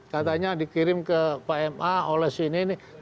katanya dikirim ke pma oleh si ini ini